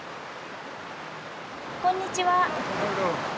こんにちは。